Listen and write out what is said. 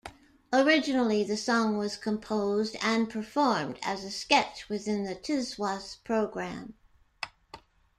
Originally the song was composed and performed as a sketch within the "Tiswas" programme.